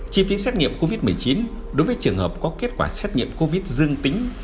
chi phí xét nghiệm covid một mươi chín đối với trường hợp có kết quả xét nghiệm covid dương tính